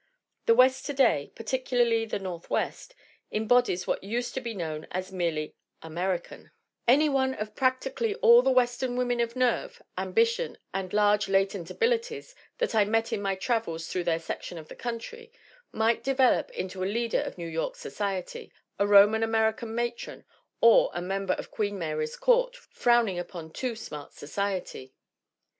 The West to day particularly the Northwest embodies what used to be known as merely 'American/ Any one of practically all the Western women of nerve, ambition, and large latent abilities, that I met in my travels through their section of the country, might develop into a leader of New York society, a Roman American matron, or a member of Queen Mary's court, frowning upon too smart society.